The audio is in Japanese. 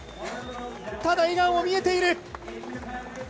ただ、笑顔も見えている！